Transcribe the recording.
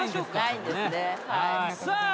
さあ